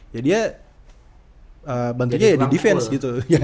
ya dia bentuknya ya di defense gitu